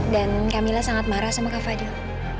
dan kamila sangat marah sama kak fadil